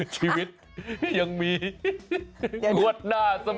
ชีวิตยังมีงวดหน้าเสมอ